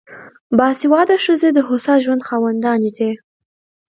باسواده ښځې د هوسا ژوند خاوندانې دي.